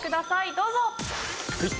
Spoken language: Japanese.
どうぞ！